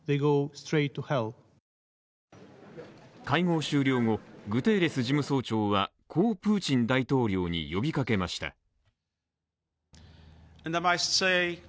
会合終了後、グテーレス事務総長はこうプーチン大統領に呼びかけました。